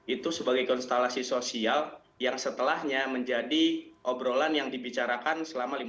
itu sebagai konstelasi sosial yang setelahnya menjadi obrolan yang dibicarakan selama lima tahun